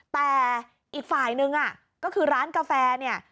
แต่อีกฝ่ายนึงก็คือร้านกาแฟเนี่ย